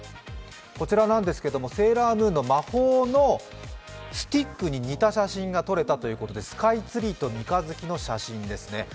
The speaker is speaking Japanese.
こちらなんですけれども、「セーラームーン」の魔法のスティックに似た写真が撮れたということでスカイツリーと三日月の写真ですね。